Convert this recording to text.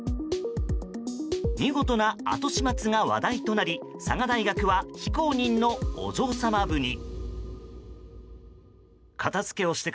見事な後始末が話題となり佐賀大学は非公認のお嬢様部に。